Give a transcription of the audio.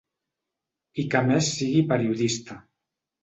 I que a més sigui periodista.